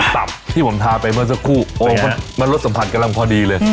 ตับที่ผมทาไปเมื่อสักครู่มันรสสัมผัสกำลังพอดีเลย